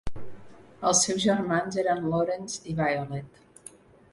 Els seus germans eren Laurence i Violet.